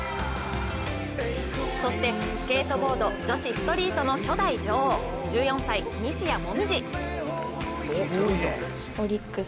そしてスケートボード女子ストリートの初代女王、１４歳・西矢椛。